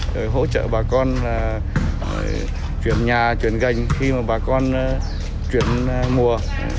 rồi hỗ trợ bà con chuyển nhà chuyển gành khi mà bà con chuyển mùa